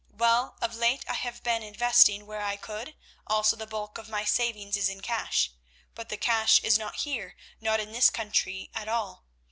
Well, of late I have been realising where I could, also the bulk of my savings is in cash. But the cash is not here, not in this country at all.